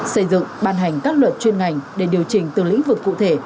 xây dựng ban hành các luật chuyên ngành để điều chỉnh từng lĩnh vực cụ thể